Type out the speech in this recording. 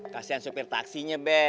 kasian supir taksinya be